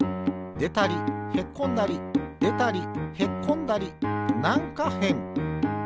でたりへっこんだりでたりへっこんだりなんかへん。